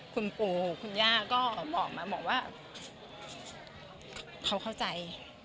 คุณปู่คุณย่าก็บอกมาบอกว่าเขาเข้าใจ